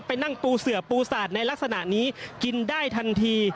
ไปนั่งปูเสือปูสาดในลักษณะนี้กินได้ทันที